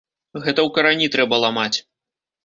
Гэта ў карані трэба ламаць.